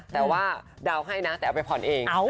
แต่ว่าเดาให้นะแต่เอาไปผ่อนเอง